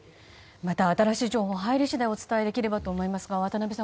また新しい情報が入り次第お伝えできればと思いますが渡辺さん